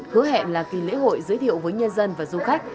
hứa hẹn là kỳ lễ hội giới thiệu với nhân dân và du khách